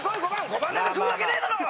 「５番なんかくるわけねえだろ」。